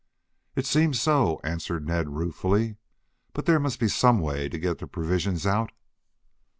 "It seems so," answered Ned ruefully. "But there must be some way to get the provisions out."